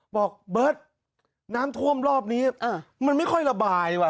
บอกเบิร์ตน้ำท่วมรอบนี้มันไม่ค่อยระบายว่ะ